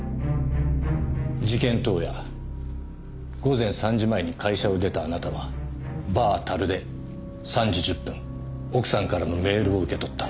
事件当夜午前３時前に会社を出たあなたはバー樽で３時１０分奥さんからのメールを受け取った。